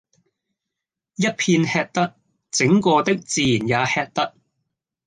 一片喫得，整個的自然也喫得。